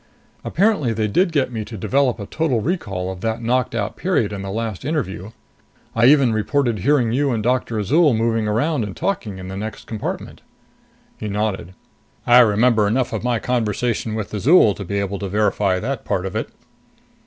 Apparently they did get me to develop a total recall of that knocked out period in the last interview I even reported hearing you and Doctor Azol moving around and talking in the next compartment." He nodded. "I remember enough of my conversation with Azol to be able to verify that part of it."